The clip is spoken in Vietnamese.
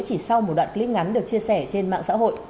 chỉ sau một đoạn clip ngắn được chia sẻ trên mạng xã hội